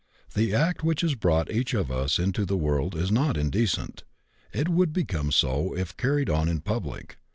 The act which brought each of us into the world is not indecent; it would become so if carried on in public.